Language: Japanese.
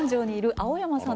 青山さん